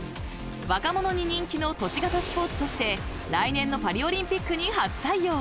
若者に人気の都市型スポーツとして来年のパリオリンピックに初採用。